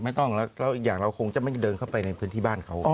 ไม่ต้องแล้วอีกอย่างเราคงจะไม่เดินเข้าไปในพื้นที่บ้านเขา